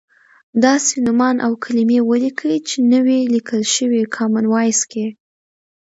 داسې نومان او کلیمې ولیکئ چې نه وې لیکل شوی کامن وایس کې.